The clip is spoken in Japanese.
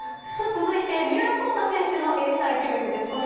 さあ続いて三浦孝太選手の英才教育です。